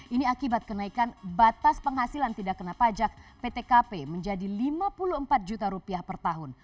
ini akibat kenaikan batas penghasilan tidak kena pajak ptkp menjadi lima puluh empat juta rupiah per tahun